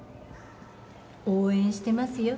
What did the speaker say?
応援してますよ。